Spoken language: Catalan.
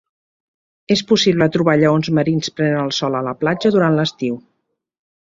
És possible trobar lleons marins prenent el sol a la platja durant l'estiu.